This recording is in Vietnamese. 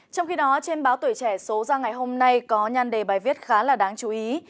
trong khi đó trên báo tuổi trẻ số ra ngày hôm nay có nhăn đề bài viết khá là đáng chú ý